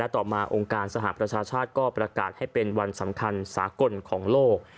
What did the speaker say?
ต่อมาองค์การสหประชาชาติก็ประกาศให้เป็นวันสำคัญสากลของโลก